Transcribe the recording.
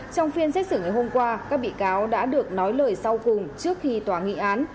trong phiên xét xử ngày hôm qua các bị cáo đã được nói lời sau cùng trước khi tòa nghị án